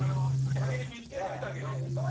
先に見つけといてあげよう。